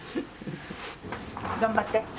頑張って。